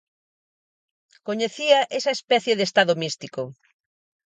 Coñecía esa especie de estado místico.